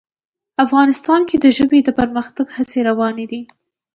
افغانستان کې د ژبې د پرمختګ هڅې روانې دي.